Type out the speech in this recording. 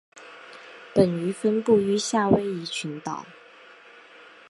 本鱼分布于夏威夷群岛。